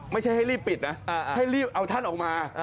ไม่ใช่ให้รีบปิดนะให้รีบเอาท่านออกมา